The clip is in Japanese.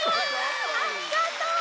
ありがとう！